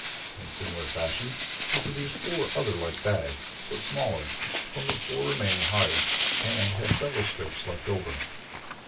In similar fashion he produced four other like bags, but smaller, from the four remaining hides and had several strips left over.